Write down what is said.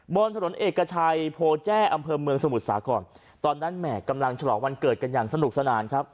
บนถนนเอกชัยโพแจ้อำเภอเมืองสมุทรสาครตอนนั้นแหม่กำลังฉลองวันเกิดกันอย่างสนุกสนานครับ